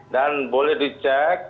dan boleh dicek